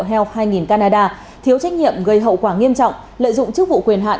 health hai nghìn canada thiếu trách nhiệm gây hậu quả nghiêm trọng lợi dụng chức vụ quyền hạn